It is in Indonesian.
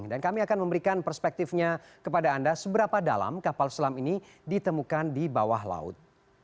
dan kami akan memberikan perspektifnya kepada anda seberapa dalam kapal selam ini ditemukan di bawah laut